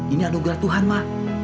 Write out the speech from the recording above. ini anugerah tuhan ma